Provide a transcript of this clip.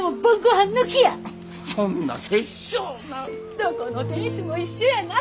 どこの亭主も一緒やな。